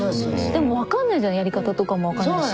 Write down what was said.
でもわかんないじゃんやり方とかもわかんないし。